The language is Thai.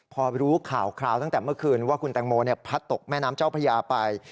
พอรู้ข่าวคราวตั้งแต่เมื่อคืนว่าคุณแตงโมพัดตกแม่น้ำเจ้าพระยาไป